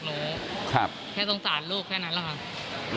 หนูแค่สงสารลูกแค่นั้นแล้วค่ะ